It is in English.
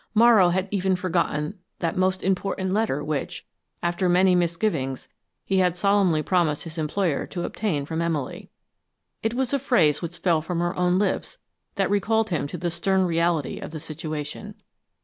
Morrow had even forgotten that most important letter which, after many misgivings, he had solemnly promised his employer to obtain from Emily. It was a phrase which fell from her own lips that recalled him to the stern reality of the situation.